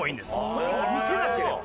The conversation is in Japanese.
とにかく見せなければ。